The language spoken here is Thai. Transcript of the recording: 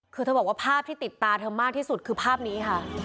คือเธอบอกว่าภาพที่ติดตาเธอมากที่สุดคือภาพนี้ค่ะ